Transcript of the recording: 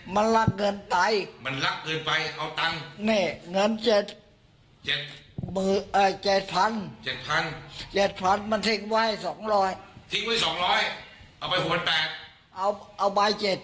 ไว้บนหลังตูนะหลังตู้เย็น